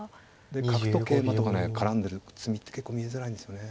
で角と桂馬とかね絡んでる詰みって結構見えづらいんですよね。